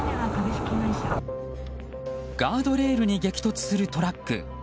ガードレールに激突するトラック。